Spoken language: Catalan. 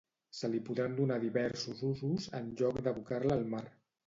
Se li podran donar diversos usos, en lloc d'abocar-la al mar.